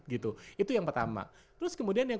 gitu itu yang pertama terus kemudian yang